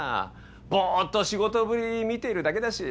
ぼっと仕事ぶり見てるだけだし。